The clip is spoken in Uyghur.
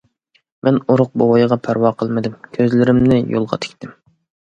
مەن ئورۇق بوۋايغا پەرۋا قىلمىدىم، كۆزلىرىمنى يولغا تىكتىم.